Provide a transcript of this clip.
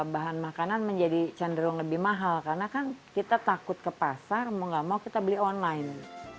bahan makanan menjadi cenderung lebih mahal karena kan kita takut ke pasar mau gak mau kita beli online